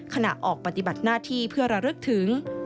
ขณะออกปฏิบัติหน้าที่เพื่อระลึกถึง